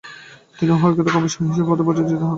তিনি হুয়াঝৌয়ের কমিশনার হিসাবে পদে পদচ্যুত হন।